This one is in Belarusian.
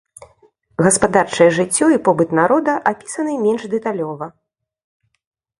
Гаспадарчае жыццё і побыт народа апісаны менш дэталёва.